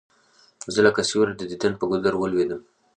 زه لکه سیوری د دیدن پر گودر ولوېدلم